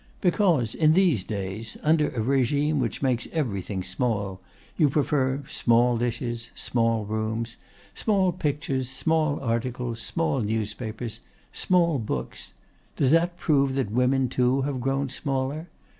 "Because, in these days, under a regime which makes everything small, you prefer small dishes, small rooms, small pictures, small articles, small newspapers, small books, does that prove that women too have grown smaller?